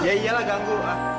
ya iyalah ganggu